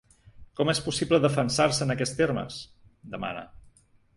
“Com és possible defensar-se en aquests termes?”, demana.